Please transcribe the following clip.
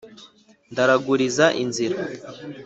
ndaraguliza inzira